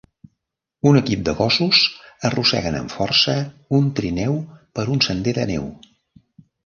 Un equip de gossos arrosseguen amb força un trineu per un sender de neu.